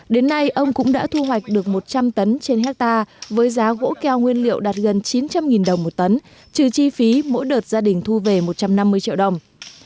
đến nay ông cũng đã thu hoạch được một trăm linh tấn trên hectare với giá gỗ keo nguyên liệu đạt gần chín trăm linh đồng một tấn trừ chi phí mỗi đợt gia đình thu về một trăm năm mươi triệu đồng